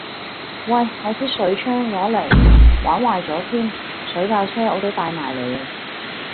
喂我支水槍攞嚟，玩壞咗添，水炮車我都帶埋嚟